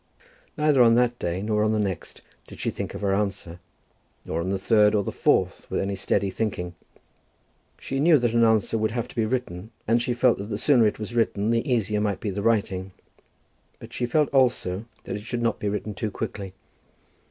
Neither on that day nor on the next did she think of her answer, nor on the third or the fourth with any steady thinking. She knew that an answer would have to be written, and she felt that the sooner it was written the easier might be the writing; but she felt also that it should not be written too quickly.